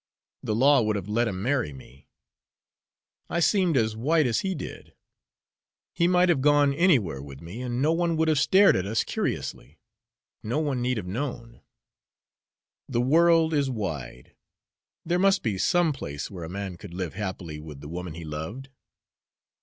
The law would have let him marry me. I seemed as white as he did. He might have gone anywhere with me, and no one would have stared at us curiously; no one need have known. The world is wide there must be some place where a man could live happily with the woman he loved."